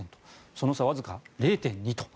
その差、わずか０．２と。